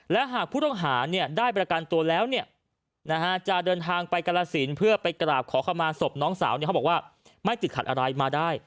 และหากผู้ต้องหาได้ประกันตัวแล้วจะเดินทางไปกรสินเพื่อไปกราบขอเข้ามาศพน้องสาวเขาบอกว่าไม่ติดขัดอะไรมาได้